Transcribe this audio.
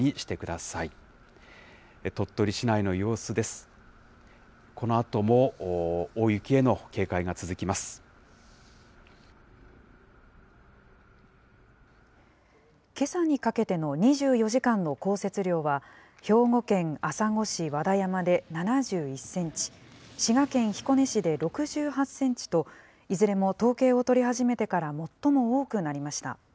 けさにかけての２４時間の降雪量は、兵庫県朝来市和田山で７１センチ、滋賀県彦根市で６８センチと、いずれも統計を取り始めてから最も多くなりました。